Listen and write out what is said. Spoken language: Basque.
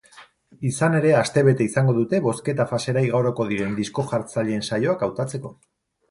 Izan ere, astebete izango dute bozketa fasera igaroko diren disko-jartzaileen saioak hautatzeko.